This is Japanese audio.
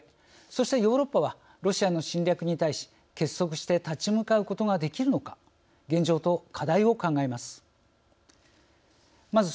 そして、ヨーロッパはロシアの侵略に対し、結束して立ち向かうことができるのか現状と課題を考えます。